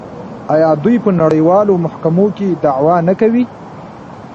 آیا دوی په نړیوالو محکمو کې دعوا نه کوي؟